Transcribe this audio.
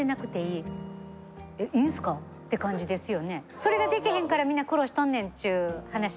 それがでけへんからみんな苦労しとんねんっちゅう話で。